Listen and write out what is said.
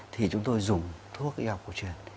thì chúng tôi dùng thuốc y học cổ truyền